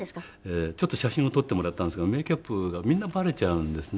写真を撮ってもらったんですけどメーキャップがみんなバレちゃうんですね。